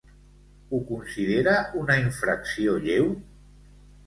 Ho considera una infracció lleu?